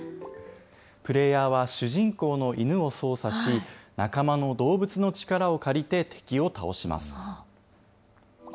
プレーヤーは主人公の犬を操作し、仲間の動物の力を借りて、敵を倒します。